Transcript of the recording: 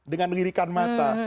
dengan lirikan mata